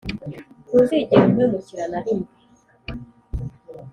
ntuzigera umpemukira narimwe